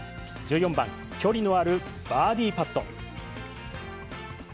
１４番、距離のあるバーディーパット。